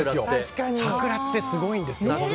桜ってすごいんです。